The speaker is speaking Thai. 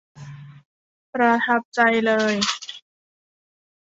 ประทับใจเลย